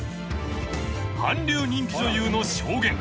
［韓流人気女優の証言］